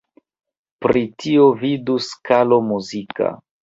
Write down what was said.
Pri tio vidu skalo muzika.